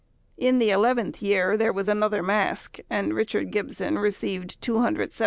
In the eleventh year there was another mask, and Richard Gybson received £207 5_s.